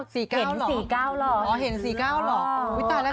สี่เก้าเห็นสี่เก้าเหรอ